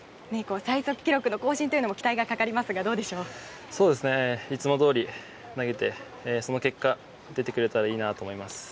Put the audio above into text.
最速記録の更新も期待がかかりますがいつもどおり投げて、その結果出てくれたらいいなと思います。